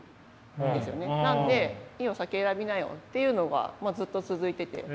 なんで「いいよ先選びなよ」っていうのがずっと続いてて。